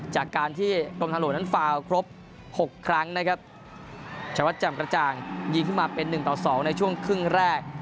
จากการที่กรมทางหลวงนั้นฟาวครบหกครั้งนะครับชวัดจำกระจ่างยิงขึ้นมาเป็นหนึ่งต่อสองในช่วงครึ่งแรก